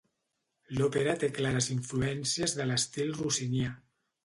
L'òpera té clares influències de l'estil rossinià.